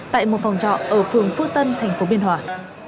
tại một phòng trọ ở phường phước tân tp biên hòa